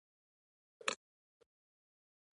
اوضاع بهتره شوه.